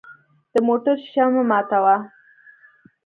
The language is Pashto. د موټر شیشه مه ماتوه.